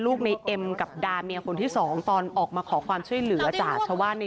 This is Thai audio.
ในเอ็มกับดาเมียคนที่สองตอนออกมาขอความช่วยเหลือจากชาวบ้านใน